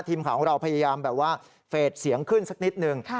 ทีมของเราพยายามเฟสเสียงขึ้นสักนิดหนึ่ง